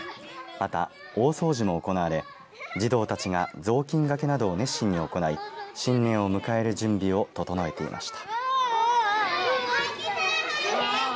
また、大掃除も行われ児童たちがぞうきんがけなどを熱心に行い新年を迎える準備を整えていました。